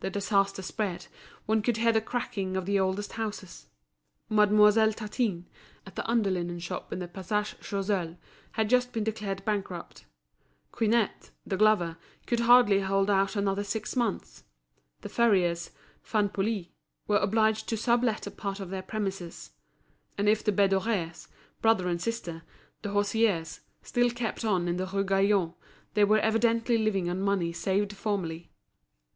The disaster spread, one could hear the cracking of the oldest houses. Mademoiselle Tatin, at the under linen shop in the Passage Choiseul, had just been declared bankrupt; Quinette, the glover, could hardly hold out another six months; the furriers, Vanpouille, were obliged to sub let a part of their premises; and if the Bédorés, brother and sister, the hosiers, still kept on in the Rue Gaillon, they were evidently living on money saved formerly.